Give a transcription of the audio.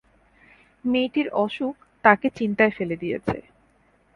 মেয়েটির অসুখ তাঁকে চিন্তায় ফেলে দিয়েছে।